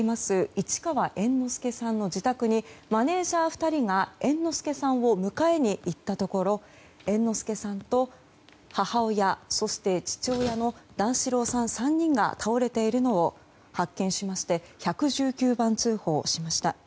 市川猿之助さんの自宅にマネジャー２人が猿之助さんを迎えに行ったところ猿之助さんと、母親そして父親の段四郎さん３人が倒れているのを発見しまして１１９番通報しました。